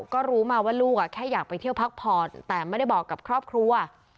ก็รู้มาว่าลูกแค่อยากไปเที่ยวพักผ่อนแต่ไม่ได้บอกกับครอบครัว